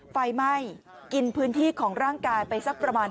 ไฟไหม้กินพื้นที่ของร่างกายไปสักประมาณ